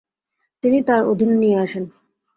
তিনি তার অধীনে নিয়ে আসেন।